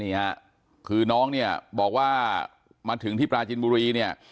นี่ฮะคือน้องเนี่ยบอกว่ามาถึงที่ปราจินบุรีเนี่ย